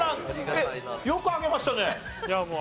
よくあげましたね。